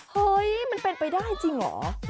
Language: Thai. เฮ้ยมันเป็นไปได้จริงเหรอ